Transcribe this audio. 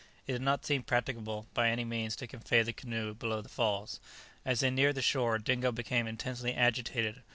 It did not seem practicable by any means to convey the canoe below the falls. As they neared the shore, Dingo became intensely agitated.